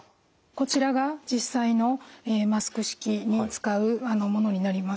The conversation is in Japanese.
こちらが実際のマスク式に使うものになります。